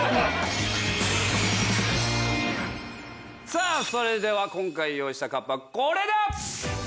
さあそれでは今回用意したＣＵＰはこれだ！